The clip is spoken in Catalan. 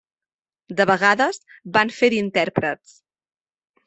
De vegades van fer d'intèrprets.